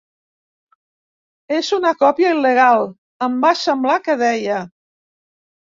És una còpia il·legal, em va semblar que deia.